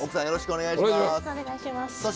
よろしくお願いします。